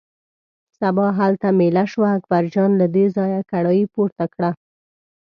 سبا هلته مېله شوه، اکبرجان له دې ځایه کړایی پورته کړه.